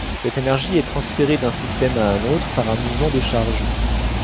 Cette énergie est transférée d'un système à un autre par un mouvement de charges.